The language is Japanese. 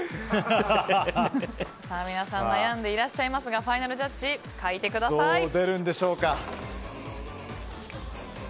皆さん悩んでいらっしゃいますがファイナルジャッジ書いてください。